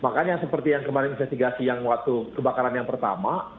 makanya seperti yang kemarin investigasi yang waktu kebakaran yang pertama